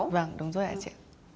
vâng đúng rồi ạ chị